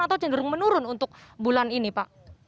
atau cenderung menurun untuk bulan ini pak